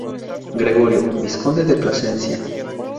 Gregorio: Vizconde de Plasencia.